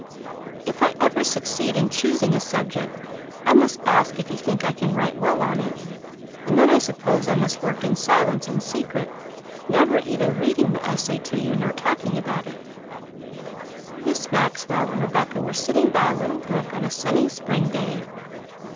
"If I ever succeed in choosing a subject, I must ask if you think I can write well on it; and then I suppose I must work in silence and secret, never even reading the essay to you, nor talking about it." Miss Maxwell and Rebecca were sitting by a little brook on a sunny spring day.